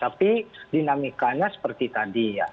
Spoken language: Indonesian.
tapi dinamikanya seperti tadi